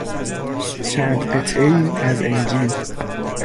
چند قطعهای از انجیل